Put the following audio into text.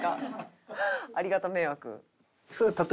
ありがた迷惑。